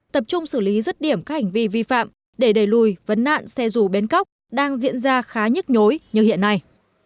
tập trung xử lý rứt điểm các hành vi vi phạm để đẩy lùi vấn nạn xe dù bến cóc đang diễn ra khá nhức nhối như hiện nay